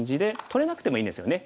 取れなくてもいいんですよね。